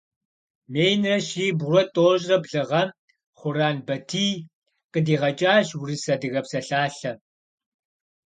Минрэ щибгъурэ тӀощӀрэ блы гъэм Хъуран Батий къыдигъэкӀащ урыс-адыгэ псалъалъэ.